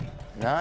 何？